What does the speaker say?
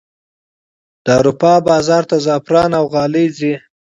د اروپا بازار ته زعفران او غالۍ ځي